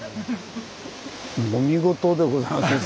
お見事でございます先生。